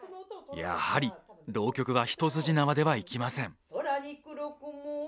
やはり浪曲は一筋縄ではいきません。